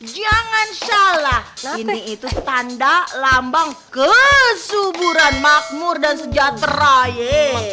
jangan salah ini itu tanda lambang kesuburan makmur dan sejahtera ye